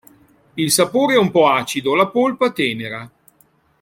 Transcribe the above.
Il sapore è un po' acido, la polpa tenera.